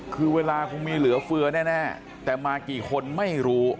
คือเวลาคงมีเหลือเฟือแน่แต่มากี่คนไม่รู้